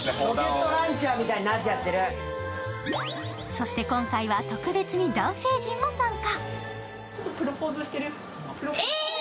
そして、今回は特別に男性陣も参加。